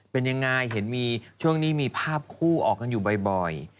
เป็นยังไงเห็นมีช่วงนี้มีภาพคู่ออกกันอยู่บ่อย